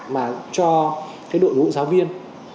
mà cho cái đội ngũ giáo viên